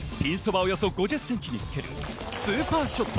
およそ５０ｃｍにつけるスーパーショット。